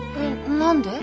何で？